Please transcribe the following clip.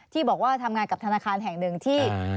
ที่บอกว่าทำงานกับธนาคารแห่งหนึ่งที่